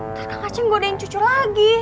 ntar kang aceh godain cucu lagi